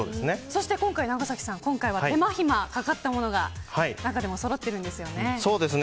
そして、今回はながさきさん手間暇かかったものが中でもそろってるんですよね。